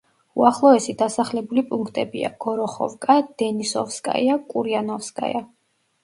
უახლოესი დასახლებული პუნქტებია: გოროხოვკა, დენისოვსკაია, კურიანოვსკაია.